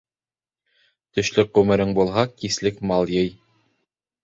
Төшлөк ғүмерең булһа, кислек мал йый.